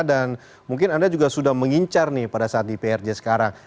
dan mungkin anda juga sudah mengincar nih pada saat di prj sekarang